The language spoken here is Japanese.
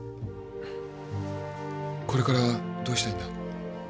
これからどうしたいんだ？